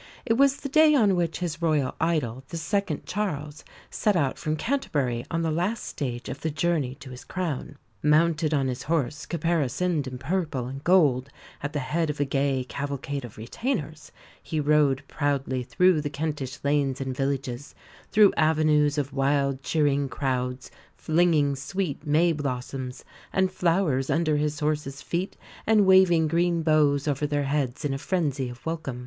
It was the day on which his Royal idol, the second Charles, set out from Canterbury on the last stage of the journey to his crown. Mounted on his horse, caparisoned in purple and gold, at the head of a gay cavalcade of retainers, he rode proudly through the Kentish lanes and villages: through avenues of wildly cheering crowds, flinging sweet may blossoms and flowers under his horse's feet, and waving green boughs over their heads in a frenzy of welcome.